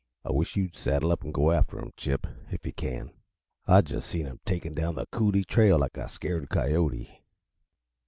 "I wish you'd saddle up an' go after him, Chip, if yuh can. I just seen him takin' down the coulee trail like a scared coyote."